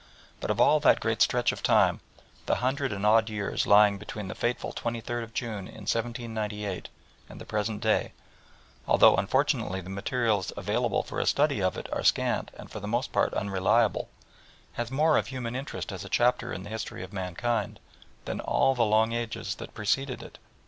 But of all that great stretch of time the hundred and odd years lying between the fateful 23rd of June in 1798 and the present day, although unfortunately the materials available for a study of it are scant and for the most part unreliable, has more of human interest as a chapter in the history of mankind, than all the long ages that preceded it.